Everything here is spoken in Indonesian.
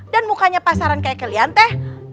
dan mukanya pasaran kayak kalian tete